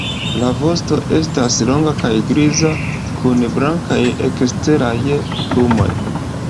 La vosto estas longa kaj griza kun blankaj eksteraj plumoj.